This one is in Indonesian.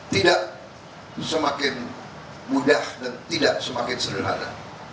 tidak semakin mudah dan tidak semakin sederhana